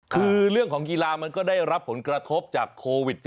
คือเรื่องของกีฬามันก็ได้รับผลกระทบจากโควิด๑๙